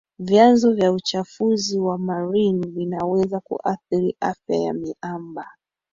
Vyanzo vya uchafuzi wa marine vinaweza kuathiri afya ya miamba